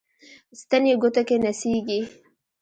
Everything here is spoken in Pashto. ستن یې ګوتو کې نڅیږي